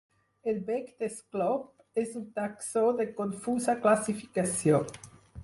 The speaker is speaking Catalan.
El bec d'esclop, és un taxó de confusa classificació.